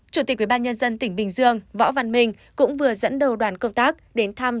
chủ tịch ubnd tỉnh bình dương võ văn minh cũng vừa dẫn đầu đoàn công tác đến thăm